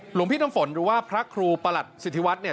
หลวงพี่น้ำฝนหรือว่าพระครูประหลัดสิทธิวัฒน์เนี่ย